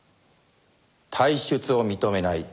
退出を認めない。